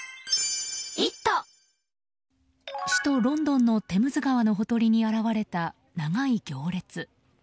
首都ロンドンのテムズ川のほとりに現れた長い行列。